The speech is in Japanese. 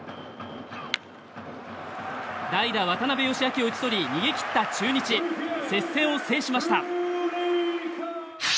代打、渡邊佳明を打ち取り逃げ切った中日接戦を制しました。